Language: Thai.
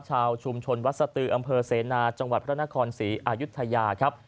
ชาวชุมชนวัดสตืออำเภอเสนาจังหวัดพระนครศรีอายุทยาครับ